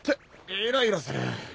イライラする。